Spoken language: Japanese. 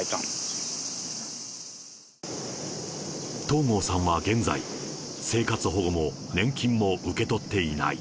東郷さんは現在、生活保護も年金も受け取っていない。